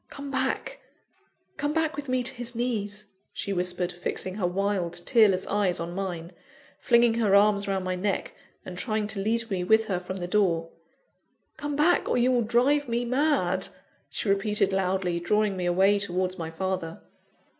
"Come back come back with me to his knees!" she whispered, fixing her wild, tearless eyes on mine, flinging her arms round my neck, and trying to lead me with her from the door. "Come back, or you will drive me mad!" she repeated loudly, drawing me away towards my father.